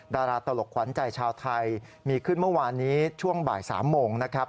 ดาราตลกขวัญใจชาวไทยมีขึ้นเมื่อวานนี้ช่วงบ่าย๓โมงนะครับ